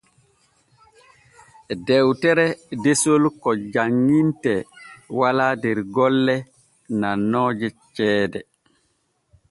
Dewtere desol ko janŋintee walaa der golle nannooje ceede.